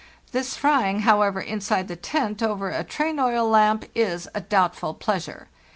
This frying, however, inside the tent over a train oil lamp, is a doubtful pleasure.